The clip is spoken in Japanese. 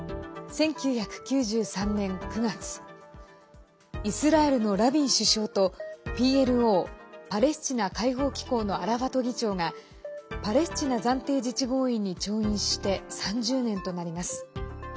１９９３年９月イスラエルのラビン首相とＰＬＯ＝パレスチナ解放機構のアラファト議長がパレスチナ暫定自治合意に調印して３０年となります。